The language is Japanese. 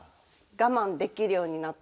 我慢できるようになった。